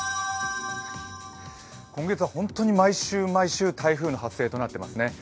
今月は本当に毎週、毎週台風の発生となっていますね。